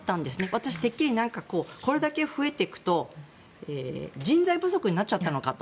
私はてっきりこれだけ増えていくと人材不足になっちゃったのかと。